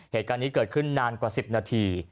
เหตุการณ์นี้เกิดขึ้นนานกว่า๑๐นาที